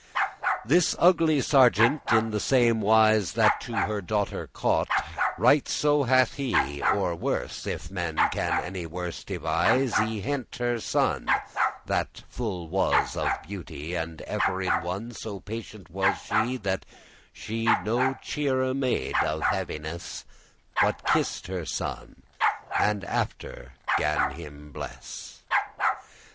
This ugly sergeant, in the same wise That he her daughter caught, right so hath he (Or worse, if men can any worse devise,) Y hent* her son, that full was of beauty: *seized And ever in one* so patient was she, *unvaryingly That she no cheere made of heaviness, But kiss'd her son, and after gan him bless.